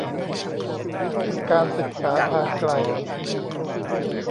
การศึกษาทางไกล